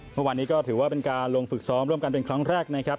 เมื่อวานนี้ก็ถือว่าเป็นการลงฝึกซ้อมร่วมกันเป็นครั้งแรกนะครับ